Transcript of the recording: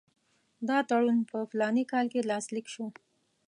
دا تړون په فلاني کال کې لاسلیک شو.